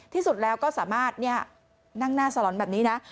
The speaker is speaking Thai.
ที่สุดแล้วก็สามารถนั่งหน้าสลอนแบบนี้นะ